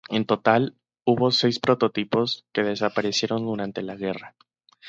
En total, hubo seis prototipos, que desaparecieron durante la guerra.